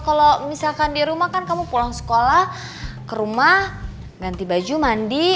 kalau misalkan di rumah kan kamu pulang sekolah ke rumah ganti baju mandi